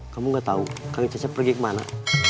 kamu gak tahu kang cecep pergi kemana